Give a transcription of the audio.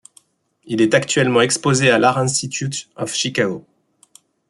Il est actuellement exposé à l'Art Institute of Chicago.